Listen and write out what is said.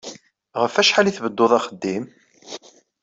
Ɣef wacḥal ay tbedduḍ axeddim?